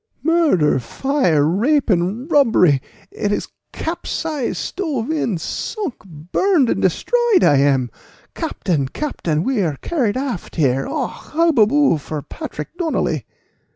"Murder, fire, rape, and robbery! it is capsized, stove in, sunk, burned, and destroyed I am! Captain, captain, we are carried aft here Och, hubbaboo for Patrick Donnally!"